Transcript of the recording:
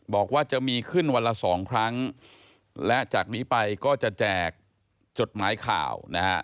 บอกว่าจะมีขึ้นวันละสองครั้งและจากนี้ไปก็จะแจกจดหมายข่าวนะฮะ